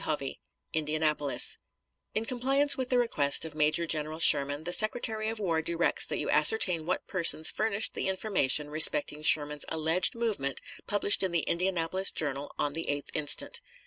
HOVEY, Indianapolis: In compliance with the request of Major General Sherman, the Secretary of War directs that you ascertain what persons furnished the information respecting Sherman's alleged movement published in the Indianapolis Journal of the 8th inst.